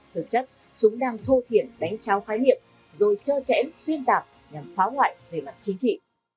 thực chất chúng đang thô thiện đánh trao khái niệm rồi chơ chẽn xuyên tạc nhằm phá hoại về mặt chính trị